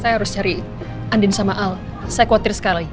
saya harus cari andin sama al saya khawatir sekali